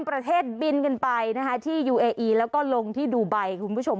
ประเทศบินกันไปนะคะที่ยูเออีแล้วก็ลงที่ดูไบคุณผู้ชม